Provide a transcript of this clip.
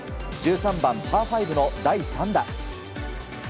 １３番、パー５の第３打。